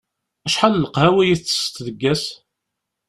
Acḥal n leqhawi i ttesseḍ deg wass?